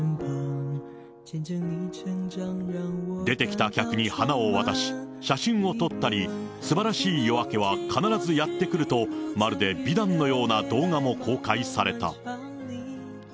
出てきた客に花を渡し、写真を撮ったり、すばらしい夜明けは必ずやって来ると、まるで美談のような動画も公開された。